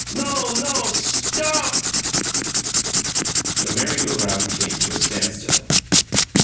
No, no! Stop!" The merry go round came to a standstill.